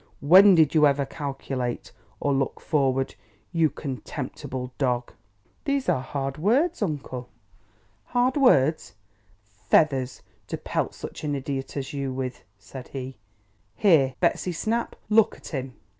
When did you ever calculate, or look forward, you contemptible dog?" "These are hard words, uncle!" "Hard words? Feathers, to pelt such an idiot as you with," said he. "Here! Betsy Snap! Look at him!"